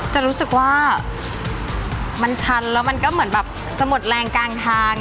จะรู้สึกว่ามันชันแล้วมันก็เหมือนแบบจะหมดแรงกลางทาง